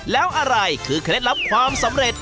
แล้วอะไรคือเคล็ดลับความสำเร็จ